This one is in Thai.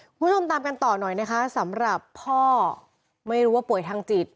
คุณผู้ชมตามกันต่อหน่อยนะคะสำหรับพ่อไม่รู้ว่าป่วยทางจิต